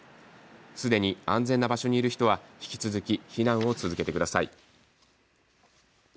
すでに安全な場所にいる人は引き続き避難を続けてください。